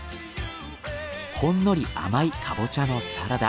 ほんのり甘いかぼちゃのサラダ。